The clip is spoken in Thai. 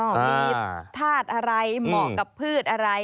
มีธาตุอะไรเหมาะกับพืชอะไร